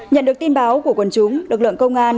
nhận được tin báo của quần chúng lực lượng công an